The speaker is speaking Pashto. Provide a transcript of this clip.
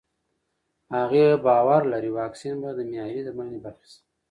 هغې باور لري واکسین به د معیاري درملنې برخه شي.